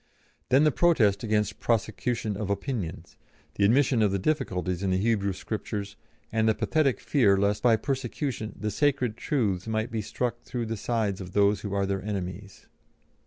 Then the protest against prosecution of opinions; the admission of the difficulties in the Hebrew Scriptures, and the pathetic fear lest by persecution "the sacred truths might be struck through the sides of those who are their enemies."